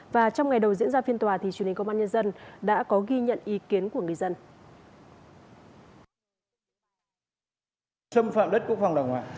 và trong ngày đầu diễn ra phiên tòa thì truyền hình công an nhân dân đã có ghi nhận ý kiến của người dân